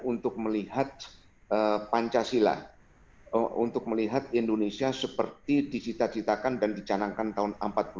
untuk melihat pancasila untuk melihat indonesia seperti dicita citakan dan dicanangkan tahun seribu sembilan ratus empat puluh lima